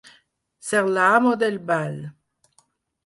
Ser l'amo del ball.